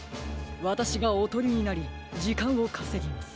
わたしがおとりになりじかんをかせぎます。